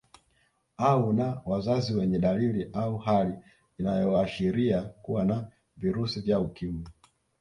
Au na wazazi wenye dalili au hali inayoashiria kuwa na virusi vya Ukimwi